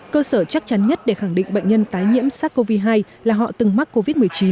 cơ sở chắc chắn nhất để khẳng định bệnh nhân tái nhiễm sars cov hai là họ từng mắc covid một mươi chín